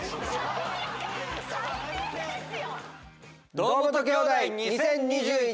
『堂本兄弟２０２１